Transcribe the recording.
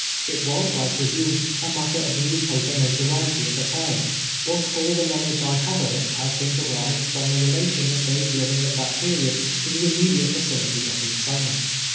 It was, I presume, a matter of newspaper notoriety at the time, but all tlie knowledge I have of it, has been derived from the relation of those living at that period in the immediate vicinity of the excitement.